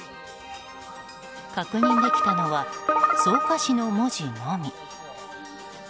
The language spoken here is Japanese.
確認できたのは「草加市」の文字のみ。